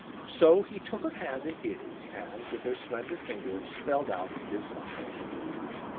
So, he took her hand in his, and, with her slender finger, spelled out this motto.